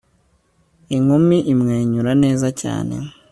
Inkumi imwenyura neza cyane